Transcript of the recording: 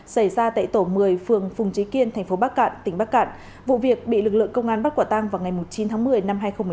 xảy ra tại tổ một mươi phường phùng trí kiên thành phố bắc cạn tỉnh bắc cạn vụ việc bị lực lượng công an bắt quả tăng vào ngày chín tháng một mươi năm hai nghìn một mươi chín